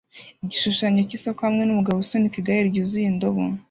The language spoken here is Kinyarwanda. Igishushanyo cyisoko hamwe numugabo usunika igare ryuzuye indobo